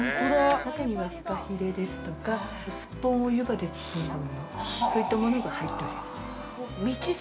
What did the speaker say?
◆中にはフカヒレですとかすっぽんを湯葉で包んだものそういったものが入っております。